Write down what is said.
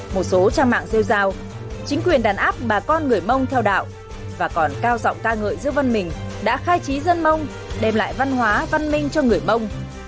một số trang mạng rêu giao chính quyền đàn áp bà con người mông theo đạo và còn cao giọng ca ngợi giữa văn mình đã khai trí dân mông đem lại văn hóa văn minh cho người mông